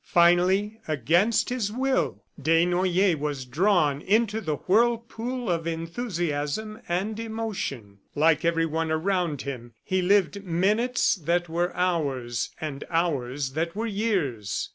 Finally, against his will, Desnoyers was drawn into the whirlpool of enthusiasm and emotion. Like everyone around him, he lived minutes that were hours, and hours that were years.